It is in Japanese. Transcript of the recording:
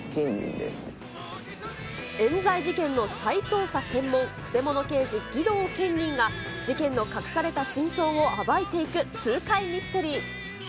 えん罪事件の再捜査専門、くせ者刑事、儀藤堅忍が事件の隠された真相を暴いていく、痛快ミステリー。